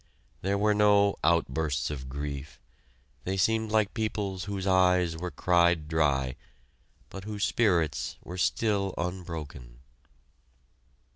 There were no outbursts of grief; they seemed like people whose eyes were cried dry, but whose spirits were still unbroken.